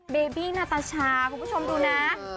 เบบี้นาตาชาคุณผู้ชมดูนะ